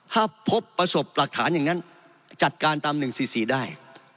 ถ้าพบประสบหลักฐานอย่างนั้นจัดการตาม๑๔๔ได้